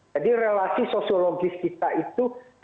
jadi relasi sosiologis kita itu saya ini bukan menukul